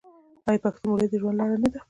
آیا پښتونولي د ژوند لاره نه ده؟